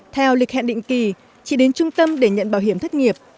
theo lịch hẹn định kỳ chị đến trung tâm để nhận bảo hiểm thất nghiệp